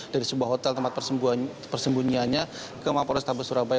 dari sebuah hotel tempat persembunyianya ke kapolri stabel surabaya